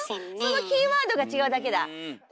そのキーワードが違うだけだ。